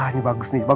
si buruk rupa